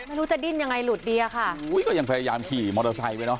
ไม่รู้จะดิ้นยังไงหลุดดีอะค่ะอุ้ยก็ยังพยายามขี่มอเตอร์ไซค์ไว้เนอ